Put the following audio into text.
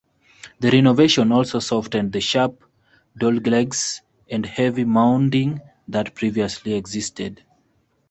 The renovation also softened the sharp doglegs and heavy mounding that previously existed.